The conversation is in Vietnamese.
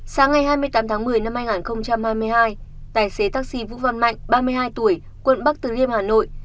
sáng ngày hai mươi tám tháng một mươi năm hai nghìn hai mươi hai tài xế taxi vũ văn mạnh ba mươi hai tuổi quận bắc từ liêm hà nội